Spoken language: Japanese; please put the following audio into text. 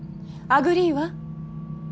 アグリー。